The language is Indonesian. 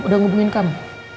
udah ngubungin kamu